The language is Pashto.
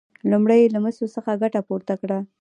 لومړی یې له مسو څخه ګټه پورته کړه.